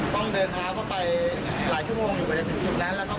ต้องเดินเข้าไปหลายชั่วโมงอยู่ในพูดชุดนั้น